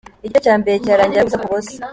Igice cya mbere kirangira ari ubusa ku busa.